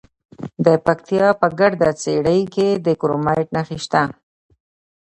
د پکتیا په ګرده څیړۍ کې د کرومایټ نښې شته.